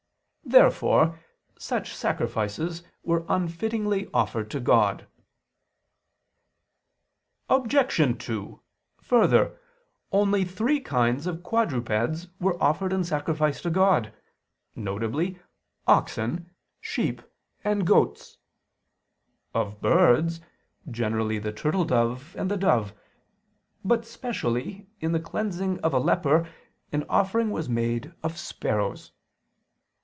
Therefore such sacrifices were unfittingly offered to God. Obj. 2: Further, only three kinds of quadrupeds were offered in sacrifice to God, viz. oxen, sheep and goats; of birds, generally the turtledove and the dove; but specially, in the cleansing of a leper, an offering was made of sparrows.